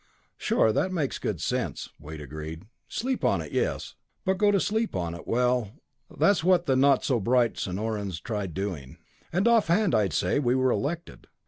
"Sure; that makes good sense," Wade agreed. "Sleep on it, yes. But go to sleep on it well, that's what the not so bright Sonorans tried doing. "And off hand, I'd say we were elected.